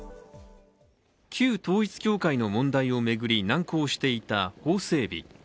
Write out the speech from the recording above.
旧統一教会の問題を巡り難航していた法整備。